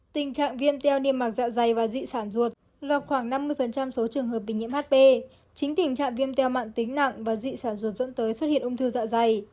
tình trạng viêm teo niêm mạc dạ dày và dị sản ruột gặp khoảng năm mươi số trường hợp bị nhiễm hp chính tình trạng viêm teo mạng tính nặng và dị sản ruột dẫn tới xuất hiện ung thư dạ dày